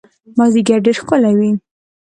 مازیګر ډېر ښکلی وي